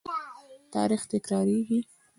تاریخ تکراریږي